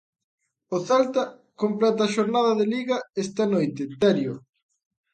O Celta completa a xornada de Liga esta noite, Terio.